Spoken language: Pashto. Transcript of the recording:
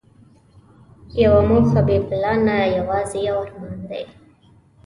یوه موخه بې پلانه یوازې یو ارمان دی.